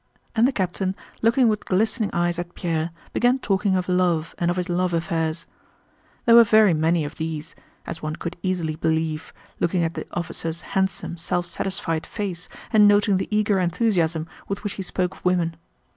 and the captain, looking with glistening eyes at Pierre, began talking of love and of his love affairs. There were very many of these, as one could easily believe, looking at the officer's handsome, self satisfied face, and noting the eager enthusiasm with which he spoke of women.